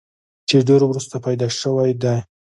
چې ډېر وروستو پېدا شوی دی